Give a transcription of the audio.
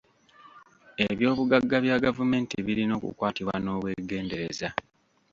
Eby'obugagga bya gavumenti birina okukwatibwa n'obwegendereza.